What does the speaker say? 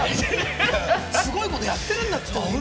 すごいことやってるんだって。